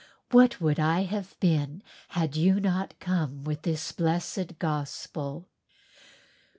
What would I have been had you not come with this blessed Gospel?"